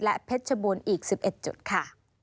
และเพชรชบูรณ์อีก๑๑จุดค่ะ